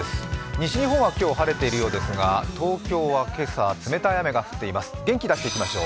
西日本は今日晴れているようですが、東京は今朝、冷たい雨が降っています、元気出していきましょう。